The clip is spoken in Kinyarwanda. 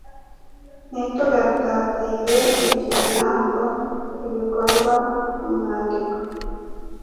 Ntitugatatire icyo gihango Ibikorwa ku mwandiko